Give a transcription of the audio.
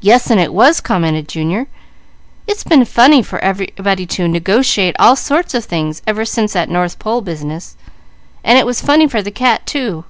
"Yes, and it was," commented Junior. "It's been funny for everybody to 'negotiate' all sorts of things ever since that north pole business, so it was funny for the cat too.